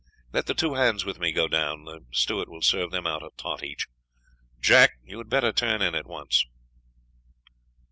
Let the two hands with me go down; the steward will serve them out a tot each. Jack, you had better turn in at once."